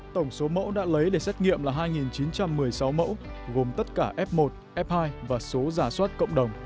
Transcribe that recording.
tổng số mẫu đã lấy để xét nghiệm là hai chín trăm một mươi sáu mẫu gồm tất cả f một f hai và số giả soát cộng đồng